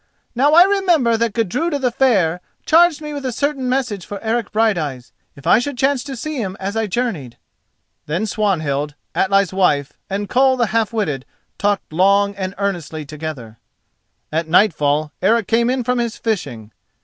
"Now I remember that Gudruda the Fair charged me with a certain message for Eric Brighteyes, if I should chance to see him as I journeyed." Then Swanhild, Atli's wife, and Koll the Half witted talked long and earnestly together. At nightfall Eric came in from his fishing.